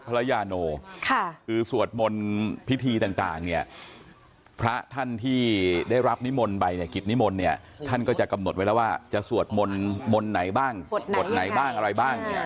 พระยาโนคือสวดมนต์พิธีต่างเนี่ยพระท่านที่ได้รับนิมนต์ไปเนี่ยกิจนิมนต์เนี่ยท่านก็จะกำหนดไว้แล้วว่าจะสวดมนต์มนต์ไหนบ้างบทไหนบ้างอะไรบ้างเนี่ย